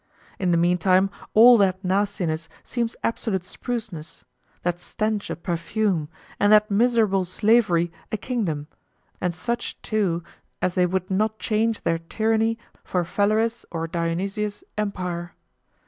In the meantime all that nastiness seems absolute spruceness, that stench a perfume, and that miserable slavery a kingdom, and such too as they would not change their tyranny for Phalaris' or Dionysius' empire.